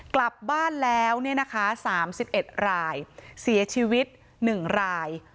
กลับบ้านแล้วเนี่ยนะคะ๓๑รายเสียชีวิต๑ราย